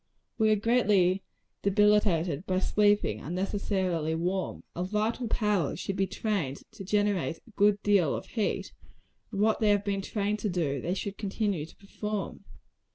We are greatly debilitated by sleeping unnecessarily warm. Our vital powers should be trained to generate a good deal of heat; and what they have been trained to do, they should continue to perform.